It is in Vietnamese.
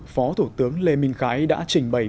phó thủ tướng lê minh khái đã trình bày